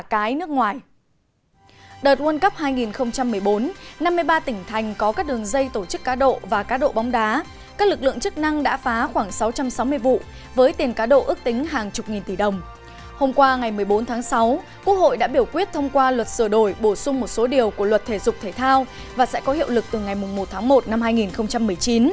qua ngày một mươi bốn tháng sáu quốc hội đã biểu quyết thông qua luật sửa đổi bổ sung một số điều của luật thể dục thể thao và sẽ có hiệu lực từ ngày một tháng một năm hai nghìn một mươi chín